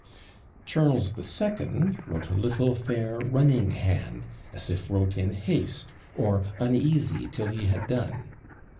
"Charles the Second wrote a little fair running hand, as if wrote in haste, or uneasy till he had done."